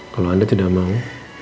kalau anda tidak mau